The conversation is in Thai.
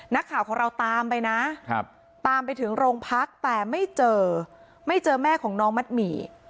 นักข่าวของเราตามไปนะตามไปถึงโรงพักแต่ไม่เจอไม่เจอแม่ของน้องมัดหมี่